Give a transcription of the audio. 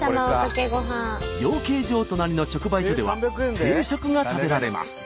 養鶏場隣の直売所では定食が食べられます。